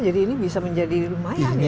jadi ini bisa menjadi lumayan ya